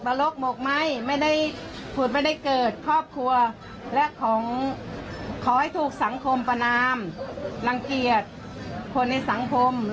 โรกโรกบอกไม่ได้หูดไม่ได้เกิดครอบครัวและขอขอให้ถูกสังคมประนามรังเกียจคนในสังคมรวมไปถึงอาชีพ